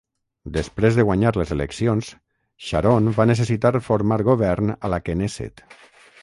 Després de guanyar les eleccions, Sharon va necessitar formar govern a la Kenésset.